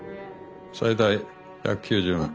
最大１９０万。